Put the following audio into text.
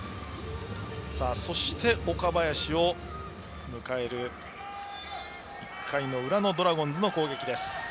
そして岡林を迎える１回の裏のドラゴンズの攻撃です。